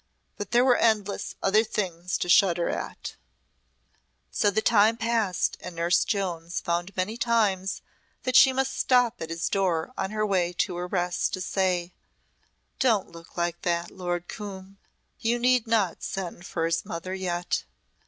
But there were endless other things to shudder at. So the time passed and Nurse Jones found many times that she must stop at his door on her way to her rest to say, "Don't look like that, Lord Coombe. You need not send for his mother yet."